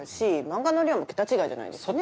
漫画の量も桁違いじゃないですか。